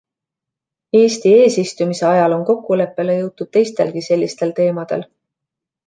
Eesti eesistumise ajal on kokkuleppele jõutud teistelgi sellistel teemadel.